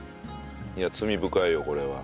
いや罪深いよこれは。